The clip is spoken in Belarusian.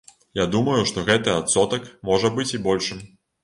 Я думаю, што гэты адсотак можа быць і большым.